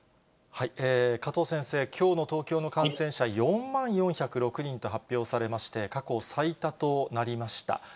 加藤先生、きょうの東京の感染者、４万４０６人と発表されまして、過去最多となりました。